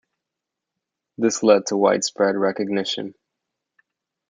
This led to widespread recognition.